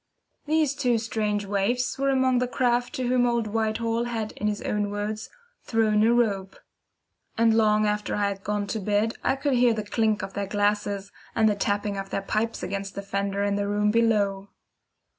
These two strange waifs were among the craft to whom old Whitehall had in his own words, "thrown a rope"; and long after I had gone to bed I could hear the clink of their glasses, and the tapping of their pipes against the fender in the room below.